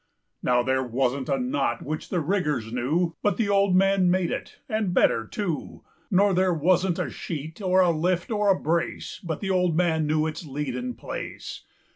Now there wasn't a knot which the riggers knewBut the old man made it—and better too; Nor there wasn't a sheet, or a lift, or a brace, But the old man knew its lead and place.